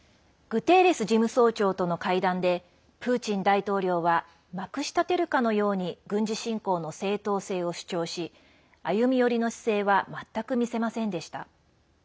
グテーレス事務総長との会談でプーチン大統領はまくし立てるかのように軍事侵攻の正当性を主張し歩み寄りの姿勢は全く見せませんでした。